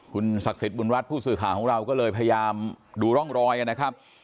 คุณศักดิ์สิทธิบุญรัฐผู้สื่อข่าวของเราก็เลยพยายามดูร่องรอยนะครับ